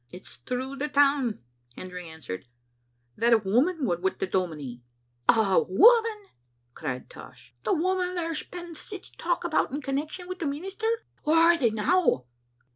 "It's through the town," Hendry answered, "that a woman was wi' the dominie." " A woman !" cried Tosh. " The woman there's been sic talk about in connection wi' the minister? Whaur are they now?"